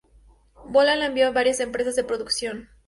Bolan la envió a varias empresas de producción.